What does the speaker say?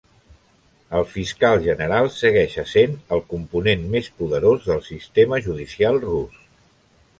El fiscal general segueix essent el component més poderós del sistema judicial rus.